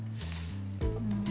うん。